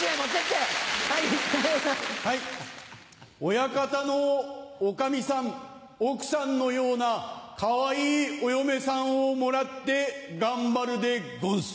親方のおかみさん奥さんのようなかわいいお嫁さんをもらって頑張るでごんす。